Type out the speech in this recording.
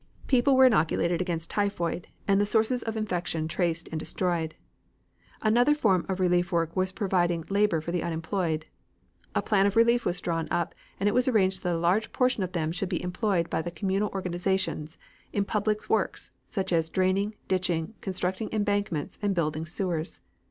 People were inoculated against typhoid, and the sources of infection traced and destroyed. Another form of relief work was providing labor for the unemployed. A plan of relief was drawn up and it was arranged that a large portion of them should be employed by the communal organizations, in public works, such as draining, ditching, constructing embankments and building sewers.